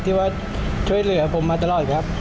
ที่ว่าช่วยเหลือผมมาตลอดครับ